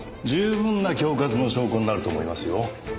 十分な恐喝の証拠になると思いますよ。